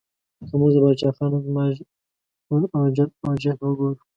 که موږ د پاچا خان زما ژوند او جد او جهد وګورو